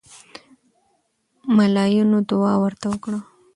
ملاینو دعا ورته وکړه.